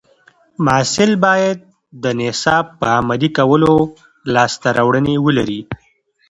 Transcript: محصل باید د نصاب په عملي کولو لاسته راوړنې ولري.